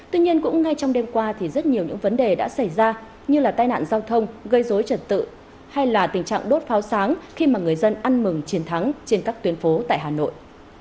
tuy nhiên cũng ngay trong đêm qua thì rất nhiều những vấn đề đã xảy ra như là tai nạn giao thông gây dối trật tự hay là tình trạng đốt pháo sáng khi mà người dân ăn mừng chiến thắng trên các tuyến phố tại hà nội